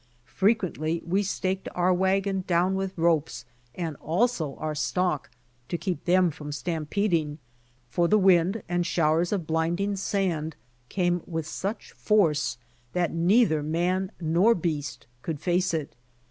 Frequently we staked our wagon down with ropes and also our stock to keep them from stampeding, for the wind and showers of blinding sand came with such force that neither man nor beast could face it.